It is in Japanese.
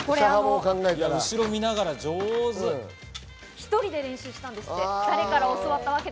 １人で練習したんですって。